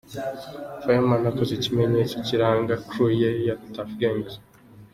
Fireman akoze ikimenyetso kiranga crew ye ya Tuff Gangs.